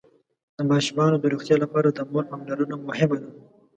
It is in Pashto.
د ماشومانو د روغتيا لپاره د مور پاملرنه مهمه ده.